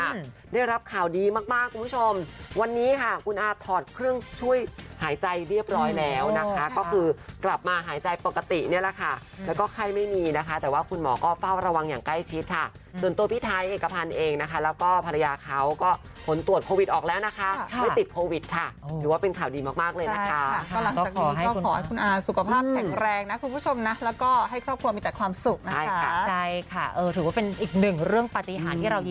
แสงสุรีค่ะได้รับข่าวดีมากคุณผู้ชมวันนี้ค่ะคุณอาทอดเครื่องช่วยหายใจเรียบร้อยแล้วนะคะก็คือกลับมาหายใจปกติเนี่ยล่ะค่ะแล้วก็ไข้ไม่มีนะคะแต่ว่าคุณหมอก็เฝ้าระวังอย่างใกล้ชิดค่ะส่วนตัวพี่ท้ายเอกพันธ์เองนะคะแล้วก็ภรรยาเขาก็ผลตรวจโพวิตออกแล้วนะคะไม่ติดโพวิตค่ะหรือว่าเป็นข่าวดีมา